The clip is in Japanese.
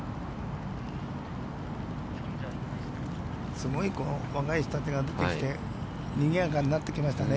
すごい若い人たちが出てきて、にぎやかになってきましたね。